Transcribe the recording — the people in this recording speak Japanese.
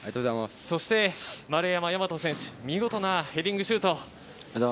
そして丸山大和選手、見事なヘディングシュート。